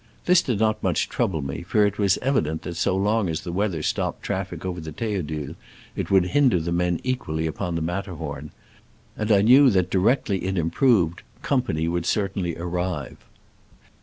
This did not much trouble me, for it was evident that so long as the weather stopped traffic over the Theodule, it would hinder the men equally upon the Matter horn ; and I knew that directly it im proved company would certainly arrive.